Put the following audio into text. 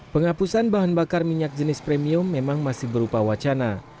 penghapusan bahan bakar minyak jenis premium memang masih berupa wacana